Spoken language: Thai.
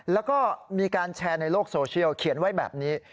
แล้วก็มีการแชร์ในโลกโซเชียลเขียนไว้แบบนี้